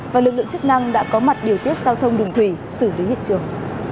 và lực lượng chức năng đã có mặt điều tiết giao thông đường thủy xử lý hiện trường